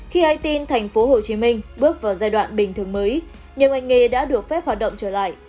khi ai tin tp hcm bước vào giai đoạn bình thường mới nhiều ngành nghề đã được phép hoạt động trở lại